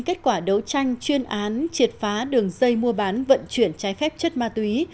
kết quả đấu tranh chuyên án triệt phá đường dây mua bán vận chuyển trái phép chất ma túy